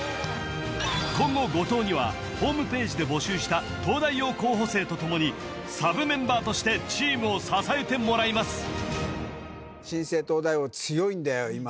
今後後藤にはホームページで募集した東大王候補生とともにサブメンバーとしてチームを支えてもらいますんだよ